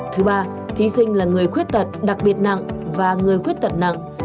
thứ ba thí sinh là người khuyết tật đặc biệt nặng và người khuyết tật nặng